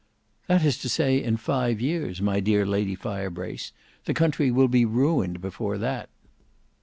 "That is to say in five years, my dear Lady Firebrace. The country will be ruined before that."